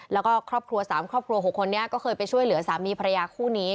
แล้วก็ครอบครัว๓ครอบครัว๖คนนี้ก็เคยไปช่วยเหลือสามีภรรยาคู่นี้